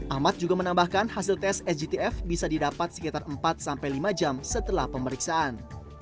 ahmad juga menambahkan hasil tes sgtf bisa didapat sekitar empat sampai lima jam setelah pemeriksaan